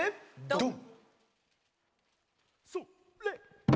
ドン！